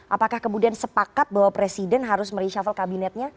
apakah kemudian sepakat bahwa presiden harus mereshuffle kabinetnya